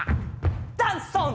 ダンソン！